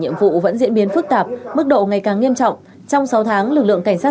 nhiệm vụ vẫn diễn biến phức tạp mức độ ngày càng nghiêm trọng trong sáu tháng lực lượng cảnh sát